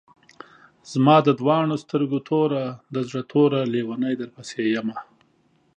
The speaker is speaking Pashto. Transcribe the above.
زما د دواڼو سترګو توره، د زړۀ ټوره لېونۍ درپسې يمه